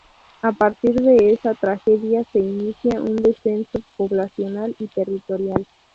A partir de esa tragedia se inicia un descenso poblacional y territorial.